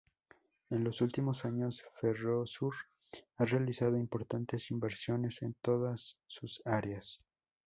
En los últimos años, "Ferrosur" ha realizado importantes inversiones en todas sus áreas.